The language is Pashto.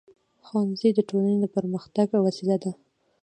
ښوونځی د ټولنې د پرمختګ وسیله ده.